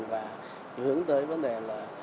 và hướng tới vấn đề là